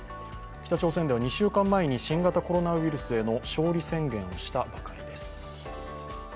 北朝鮮では２週間前に新型コロナウイルスへの勝利宣言をしたばかりです。